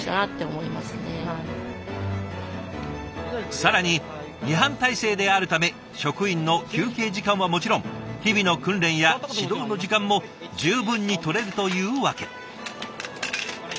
更に２班体制であるため職員の休憩時間はもちろん日々の訓練や指導の時間も十分にとれるというわけ。